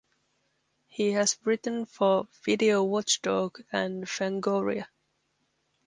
He has written for "Video Watchdog" and "Fangoria".